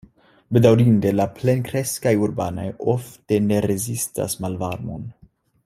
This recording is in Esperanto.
Bedaŭrinde la plenkreskaj urbanoj ofte ne rezistas malvarmon.